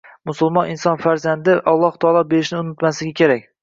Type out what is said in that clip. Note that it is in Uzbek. Musulmon inson farzandni Alloh taolo berishini unutmasligi kerak.